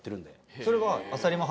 それは。